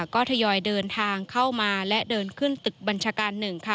ก็ทยอยเดินทางเข้ามาและเดินขึ้นตึกบัญชาการ๑ค่ะ